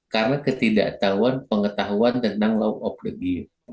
karena ketidaktahuan pengetahuan tentang law of the game